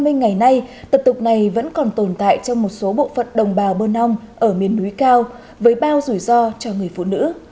hai mươi ngày nay tập tục này vẫn còn tồn tại trong một số bộ phận đồng bào bơ non ở miền núi cao với bao rủi ro cho người phụ nữ